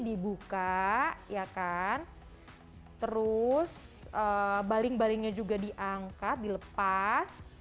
dibuka ya kan terus baling balingnya juga diangkat dilepas